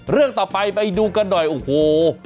เรื่องต่อไปไปดูกันหน่อยโอ้โห